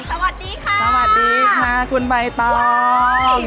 สวัสดีค่ะสวัสดีค่ะคุณใบตอง